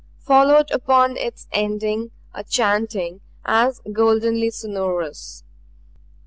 Followed upon its ending, a chanting as goldenly sonorous.